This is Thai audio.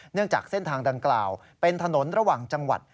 จากเส้นทางดังกล่าวเป็นถนนระหว่างจังหวัด